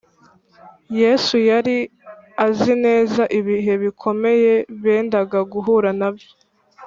yesu yari azi neza ibihe bikomeye bendaga guhura nabyo